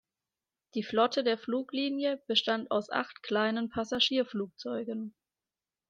Die Flotte der Fluglinie bestand aus acht kleinen Passagierflugzeugen.